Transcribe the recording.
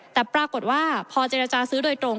แต่ปรากฏว่าพอเจรจาซื้อโดยตรง